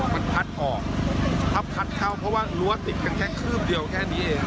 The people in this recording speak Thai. มันพัดออกพัดเข้าเพราะว่ารั้วติดกันแค่คืบเดียวแค่นี้เอง